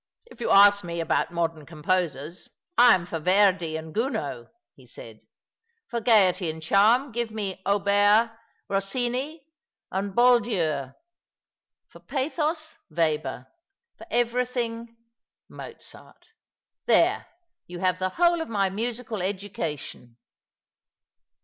" If you ask me about modem composers, I am for Yerdi and Gounod," he said. "For gaiety and charm, give me Auber, Eossini, and Boieldieu — for pathos, "Weber — for every thing, Mozart There you have the whole of my musical education."